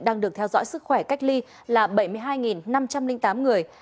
đang được theo dõi sức khỏe cách ly là bảy mươi hai năm trăm linh tám người